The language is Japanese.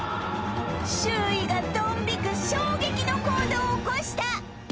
周囲がドン引く衝撃の行動を起こした！